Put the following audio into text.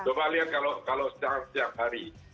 coba lihat kalau setiap hari